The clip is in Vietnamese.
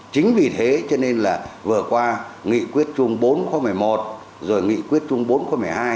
chính vì thế cho nên là vừa qua nghị quyết chung bốn khu một mươi một rồi nghị quyết chung bốn khu một mươi hai